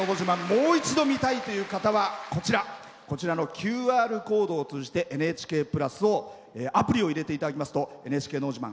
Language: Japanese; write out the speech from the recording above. もう一度見たいという方はこちらのＱＲコードを通じて「ＮＨＫプラス」のアプリを入れていただきますと「ＮＨＫのど自慢」